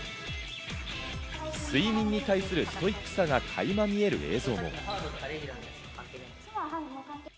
睡眠に対するストイックさがかいま見える映像も。